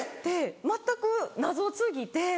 全く謎過ぎて。